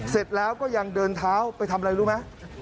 เสร็จแล้วก็ยังเดินเท้าไปทำอะไรรู้ไหม